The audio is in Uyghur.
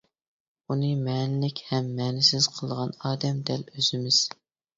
ئۇنى مەنىلىك ھەم مەنىسىز قىلىدىغان ئادەم دەل ئۆزىمىز.